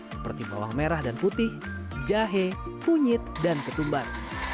seperti bawang merah dan putih jahe kunyit dan ketumbar